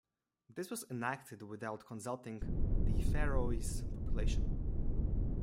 This was enacted without consulting the Faroese population.